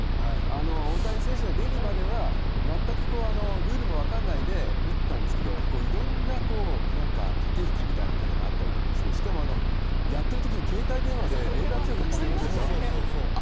大谷選手が出るまでは全くルールも分からないで見ていたんですけどいろんな駆け引きみたいなものがあったりしてしかもやってる時に携帯電話で連絡してましたよね。